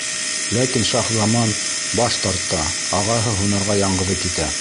Ләкин Шаһзаман баш тарта, ағаһы һунарға яңғыҙы китә.